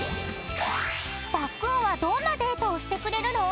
［タックンはどんなデートをしてくれるの？］